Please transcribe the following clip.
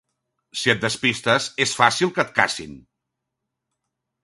Si et despistes és fàcil que et cacin!